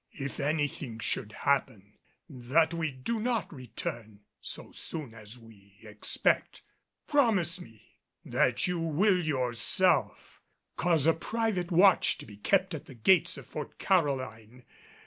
"If anything should happen that we do not return so soon as we expect, promise me that you will yourself cause a private watch to be kept at the gates of Fort Caroline.